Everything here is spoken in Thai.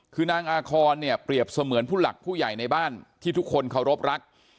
คือนางอาคอนเนี่ยเปรียบเสมือนผู้หลักผู้ใหญ่ในบ้านที่ทุกคนเคารพรัก